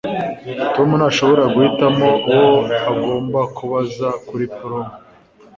Tom ntashobora guhitamo uwo agomba kubaza kuri prom